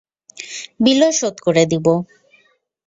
বিলও শোধ করে দেব।